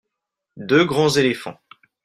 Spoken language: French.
deux grands éléphants.